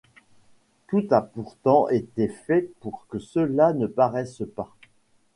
Tout a pourtant été fait pour que cela ne paraisse pas.